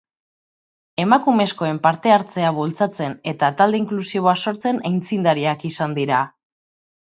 Emakumezkoen parte hartzea bultzatzen eta talde inklusiboa sortzen aitzindariak izan dira.